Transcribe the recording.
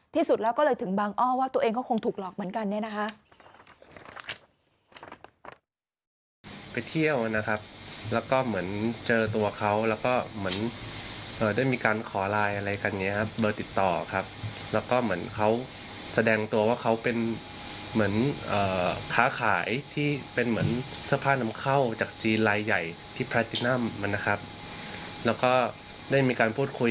ที่สุดแล้วก็เลยถึงบางอ้อว่าตัวเองก็คงถูกหลอกเหมือนกันเนี่ยนะคะ